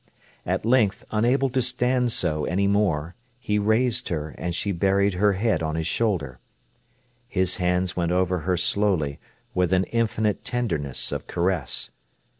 At length, unable to stand so any more, he raised her, and she buried her head on his shoulder. His hands went over her slowly with an infinite tenderness of caress.